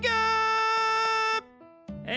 え